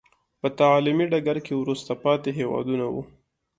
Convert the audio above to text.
په تعلیمي ډګر کې وروسته پاتې هېوادونه وو.